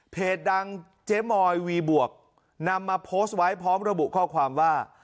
ดังเจ๊มอยวีบวกนำมาโพสต์ไว้พร้อมระบุข้อความว่า